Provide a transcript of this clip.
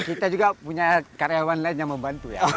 kita juga punya karyawan lain yang membantu ya